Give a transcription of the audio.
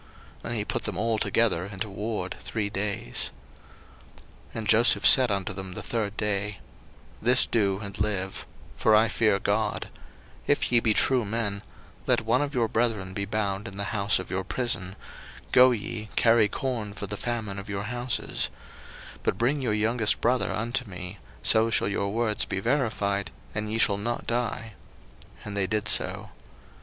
01:042:017 And he put them all together into ward three days. 01:042:018 And Joseph said unto them the third day, This do, and live; for I fear God: 01:042:019 If ye be true men, let one of your brethren be bound in the house of your prison: go ye, carry corn for the famine of your houses: 01:042:020 But bring your youngest brother unto me; so shall your words be verified, and ye shall not die. And they did so.